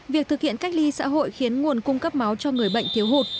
việc thực hiện cách ly xã hội khiến nguồn cung cấp máu cho người bệnh thiếu hụt